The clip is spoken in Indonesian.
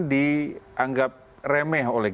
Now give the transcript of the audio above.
dianggap remeh oleh